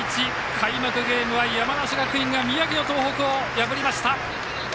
開幕ゲームは山梨学院が宮城の東北を破りました。